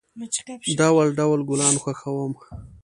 ډول، ډول گلان خوښوم.